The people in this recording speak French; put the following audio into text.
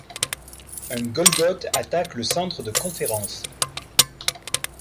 Un golgoth attaque le centre de conférence.